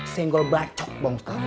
senggol bacok bang ustadz